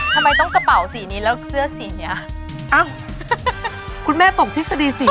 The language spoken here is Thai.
ทำไมต้องกระเป๋าสีนี้แล้วเสื้อสีนี้